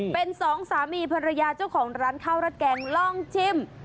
เป็นสองสามีภรรยาเจ้าของร้านข้าวรัดแกงลองชิม